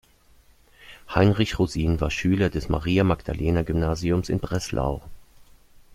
Heinrich Rosin war Schüler des Maria-Magdalenen-Gymnasiums in Breslau.